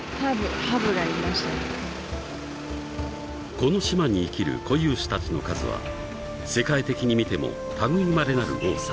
［この島に生きる固有種たちの数は世界的に見ても類いまれなる多さ］